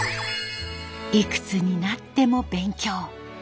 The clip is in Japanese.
いくつになっても勉強。